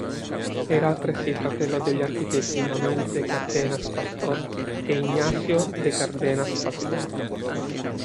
Era altresì fratello degli architetti Manuel de Cárdenas Pastor e Ignacio de Cárdenas Pastor.